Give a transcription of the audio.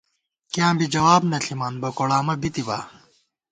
کیاں بی جواب نہ ݪِمان، بوکوڑامہ بِتِبا